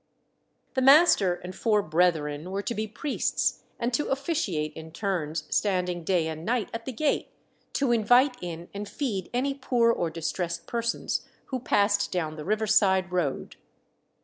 _" The master and four brethren were to be priests and to officiate in turns, standing day and night at the gate to invite in and feed any poor or distressed persons who passed down the river side road.